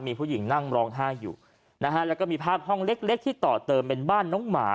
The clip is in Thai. มีผู้หญิงนั่งร้องไห้อยู่นะฮะแล้วก็มีภาพห้องเล็กเล็กที่ต่อเติมเป็นบ้านน้องหมา